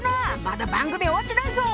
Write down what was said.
まだ番組終わってないぞ！